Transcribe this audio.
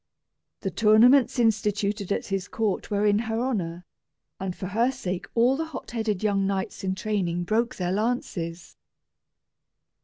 The tournaments instituted at his court were in her honor, and for her sake all the hotheaded young knights in training broke their lances.